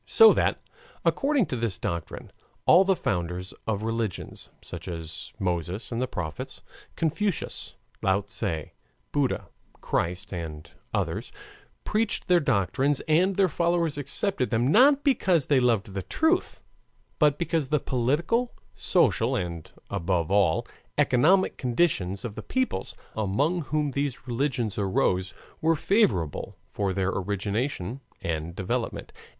So that, according to this doctrine, all the founders of religions, such as Moses and the prophets, Confucius, Lao Tse, Buddha, Christ, and others, preached their doctrines and their followers accepted them, not because they loved the truth, but because the political, social, and above all economic conditions of the peoples among whom these religions arose were favorable for their origination and development.